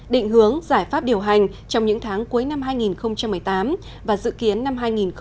định hướng giải pháp điều hành trong những tháng cuối năm hai nghìn một mươi tám và dự kiến năm hai nghìn một mươi chín